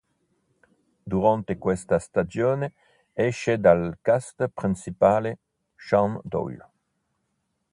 Durante questa stagione esce dal cast principale Shawn Doyle.